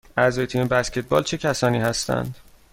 اعضای تیم بسکتبال چه کسانی هستند؟